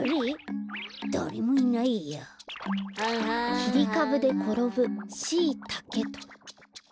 「きりかぶでころぶシイタケ」と。